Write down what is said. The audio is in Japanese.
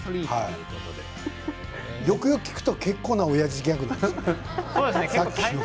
よくよく聞くと結構なおやじギャグですよね。